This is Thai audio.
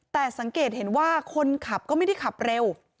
แต่สังเกตเห็นว่าคนขับก็ไม่ได้ขับเร็ว